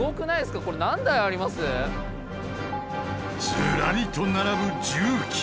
ずらりと並ぶ重機。